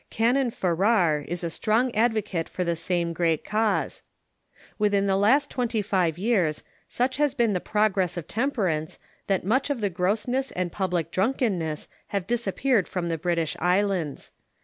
Canon Farrar is a strong advocate for the same great cause. Within the last twenty five years such has been the progress of temperance that much of the grossness and public drunken ness have disappeared from the British islands.